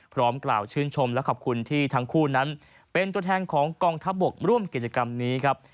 พร้อมกล่าวชื่นชมและขอบคุณที่ทั้งคู่นั้นเป็นตัวแทนของกองทัพบกร่วมกิจกรรมนี้ครับ